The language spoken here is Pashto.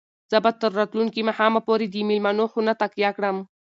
زه به تر راتلونکي ماښامه پورې د مېلمنو خونه تکیه کړم.